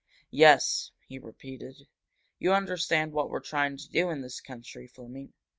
"Yes," he repeated. "You understand what we're trying to do in this country, Fleming.